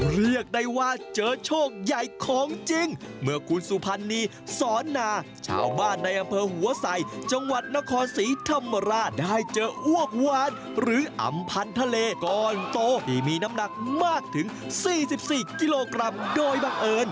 เรียกได้ว่าเจอโชคใหญ่ของจริงเมื่อคุณสุพรรณีสอนนาชาวบ้านในอำเภอหัวใสจังหวัดนครศรีธรรมราชได้เจออ้วกวานหรืออำพันธเลก้อนโตที่มีน้ำหนักมากถึง๔๔กิโลกรัมโดยบังเอิญ